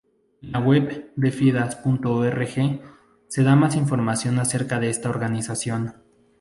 En la web de fidas.org se da más información acerca de esta organización.